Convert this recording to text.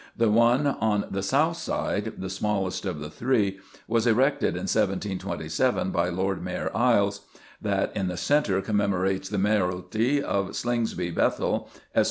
The one on the south side, the smallest of the three, was erected in 1727 by Lord Mayor Eyles. That in the centre commemorates the mayoralty of Slingsby Bethel, Esq.